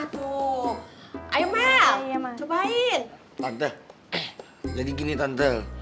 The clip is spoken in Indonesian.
tante jadi gini tante